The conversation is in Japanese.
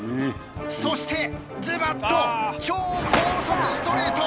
そしてズバッと超高速ストレート。